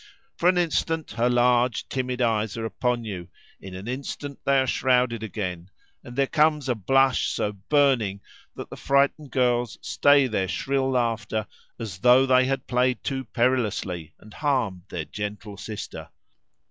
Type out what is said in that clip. For an instant her large timid eyes are upon you; in an instant they are shrouded again, and there comes a blush so burning, that the frightened girls stay their shrill laughter, as though they had played too perilously, and harmed their gentle sister.